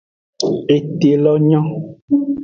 Ete lo nyo.